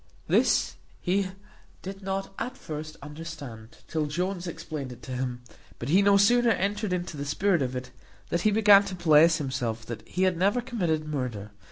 This he did not at first understand, till Jones explained it to him; but he no sooner entered into the spirit of it, than he began to bless himself that he had never committed murder.